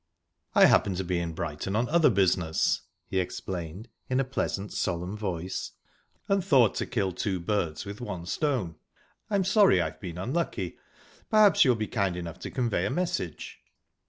"I happened to be in Brighton on other business," he explained, in a pleasant, solemn voice, "and thought to kill two birds with one stone. I'm sorry I've been unlucky. Perhaps you'll be kind enough to convey a message?"